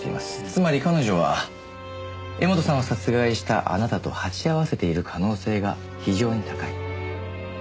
つまり彼女は柄本さんを殺害したあなたと鉢合わせている可能性が非常に高い。